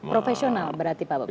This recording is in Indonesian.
profesional berarti bapak presiden